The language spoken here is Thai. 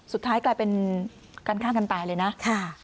สุดท้ายกลายเป็นการฆ่ากันตายเลยนะ